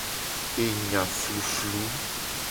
Enya fluflu.